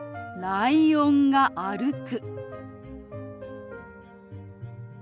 「ライオンが歩く」。